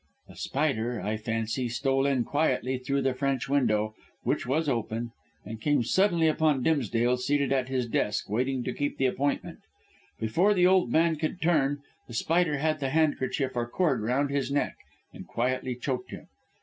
"The Spider, I fancy, stole in quietly through the French window, which was open, and came suddenly upon Dimsdale seated at his desk waiting to keep the appointment. Before the old man could turn The Spider had the handkerchief or cord round his neck and quietly choked him.